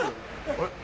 あれ？